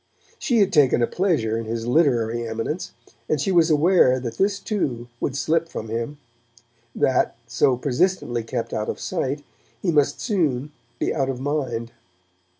She had taken a pleasure in his literary eminence, and she was aware that this, too, would slip from him; that, so persistently kept out of sight, he must soon be out of mind.